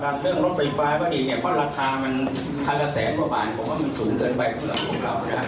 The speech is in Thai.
เพราะราคามันคันละแสนกว่าบานผมว่ามันสูงเกินไปขึ้นของเรานะครับ